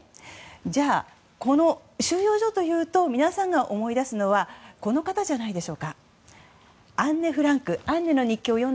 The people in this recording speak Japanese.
じゃあこの収容所というと皆さんが思い出すのはこの方じゃないでしょうか。